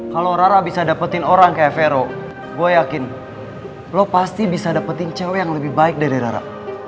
kalau rara bisa dapetin orang kayak vero gue yakin lo pasti bisa dapetin cewek yang lebih baik dari rara